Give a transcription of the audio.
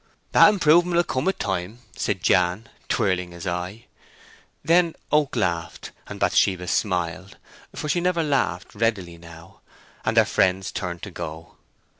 "That improvement will come wi' time," said Jan, twirling his eye. Then Oak laughed, and Bathsheba smiled (for she never laughed readily now), and their friends turned to go.